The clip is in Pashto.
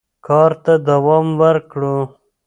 کار ته دوام ورکړو.